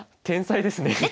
天才ですね！